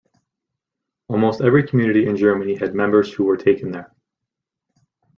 Almost every community in Germany had members who were taken there.